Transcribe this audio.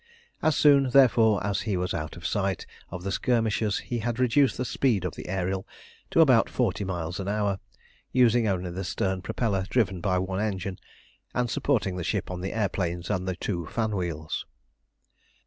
As soon, therefore, as he was out of sight of the skirmishers, he had reduced the speed of the Ariel to about forty miles an hour, using only the stern propeller driven by one engine, and supporting the ship on the air planes and two fan wheels.